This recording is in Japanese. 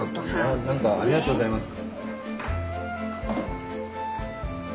ありがとうございます。